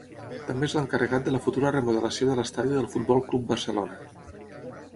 També és l'encarregat de la futura remodelació de l'estadi del Futbol Club Barcelona.